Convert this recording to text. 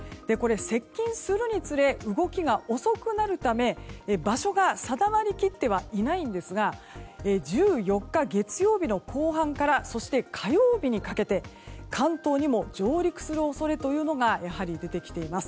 接近するにつれ動きが遅くなるため場所が定まり切ってはいないんですが１４日月曜日の後半からそして火曜日にかけて関東にも上陸する恐れというのが出てきています。